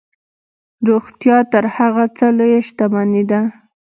روغتیا تر هر څه لویه شتمني ده.